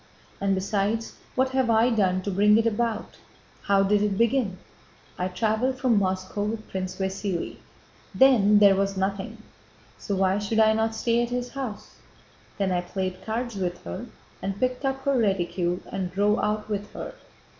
"And besides, what have I done to bring it about? How did it begin? I traveled from Moscow with Prince Vasíli. Then there was nothing. So why should I not stay at his house? Then I played cards with her and picked up her reticule and drove out with her.